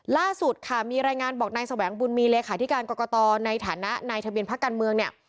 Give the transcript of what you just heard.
ล่าสุดมีรายงานบอกนายสวัสดีครับบุญมีรหลกหาศิการเกาะเกาะต่อในฐานะทะเบียนพักการเมือง